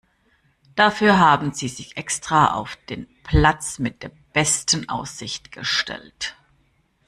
Dafür haben Sie sich extra auf den Platz mit der besten Aussicht gestellt.